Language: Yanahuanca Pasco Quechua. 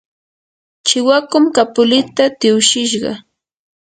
chiwakum kapulita tiwshishqa.